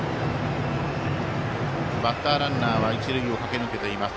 バッターランナーは一塁を駆け抜けています。